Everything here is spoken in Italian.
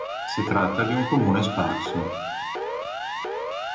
Si tratta di un comune sparso.